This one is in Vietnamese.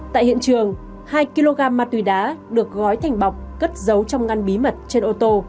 tại hiện trường hai kg ma túy đá được gói thành bọc cất giấu trong ngăn bí mật trên ô tô